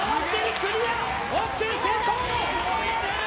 クリア！